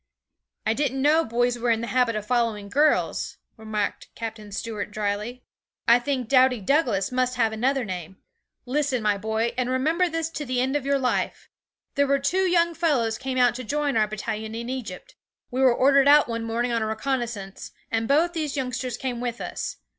'I didn't know boys were in the habit of following girls,' remarked Captain Stuart drily. 'I think doughty Douglas must have another name. Listen, my boy, and remember this to the end of your life. There were two young fellows came out to join our battalion in Egypt. We were ordered out one morning on a reconnaissance, and both these youngsters came with us.